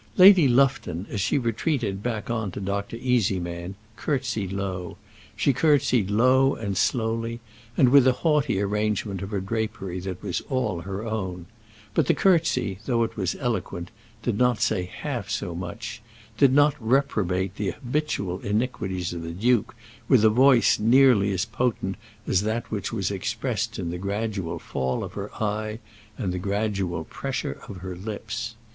Lady Lufton, as she retreated back on to Dr. Easyman, curtseyed low; she curtseyed low and slowly, and with a haughty arrangement of her drapery that was all her own; but the curtsey, though it was eloquent, did not say half so much, did not reprobate the habitual iniquities of the duke with a voice nearly as potent as that which was expressed in the gradual fall of her eye and the gradual pressure of her lips.